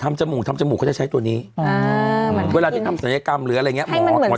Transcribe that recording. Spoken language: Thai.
จมูกทำจมูกเขาจะใช้ตัวนี้เวลาที่ทำศัลยกรรมหรืออะไรอย่างเงี้หมอ